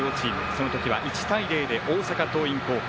その時は１対０で大阪桐蔭高校